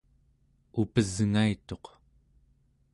upesngaituq